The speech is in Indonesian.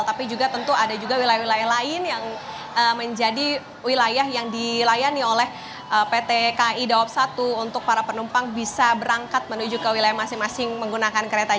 tapi juga tentu ada juga wilayah wilayah lain yang menjadi wilayah yang dilayani oleh pt kai dawab satu untuk para penumpang bisa berangkat menuju ke wilayah masing masing menggunakan kereta